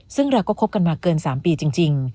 ซึ่งเราก็คบกันมาเกิน๓ปีจริง